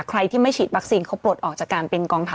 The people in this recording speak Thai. ใครที่ไม่ฉีดวัคซีนเขาปลดออกจากการเป็นกองทัพ